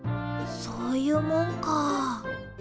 そういうもんかあ。